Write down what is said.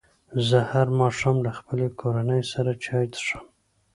زه هر ماښام له خپلې کورنۍ سره چای څښم.